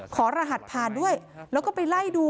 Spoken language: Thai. หรหัสผ่านด้วยแล้วก็ไปไล่ดู